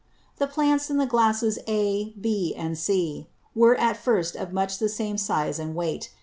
_ The Plants in the Glasses A, B, and C, were at first of much the same size and weight.